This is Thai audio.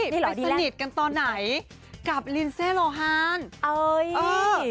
นี่เหรอดีแลนด์ไปสนิทกันตอนไหนกับลินเซโลฮานเอ้ยเออ